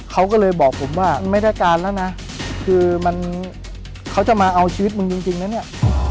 เขาจะมาเอาชีวิตมึงจริงแล้วเนี้ย